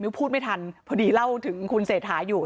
พูดไม่ทันพอดีเล่าถึงคุณเศรษฐาอยู่